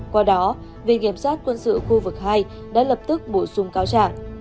qua đó viện kiểm sát quân sự khu vực hai đã lập tức bổ sung cáo trạng